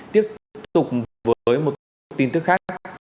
tiếp tục với một tin thức khác